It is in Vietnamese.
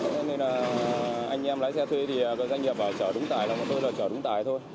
nên là anh em lái xe thuê thì các doanh nghiệp bảo chở đúng tải bọn tôi là chở đúng tải thôi